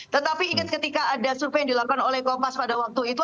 tetapi ingat ketika ada survei yang dilakukan oleh kopas pada waktu itu